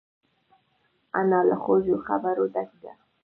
انا له خوږو خبرو ډکه ده